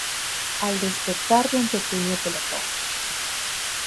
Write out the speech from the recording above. Al despertar ve un pequeño pelotón.